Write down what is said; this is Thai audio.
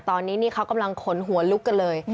ตอนนี้นี่เขากำลังขนหัวลุกกันเลย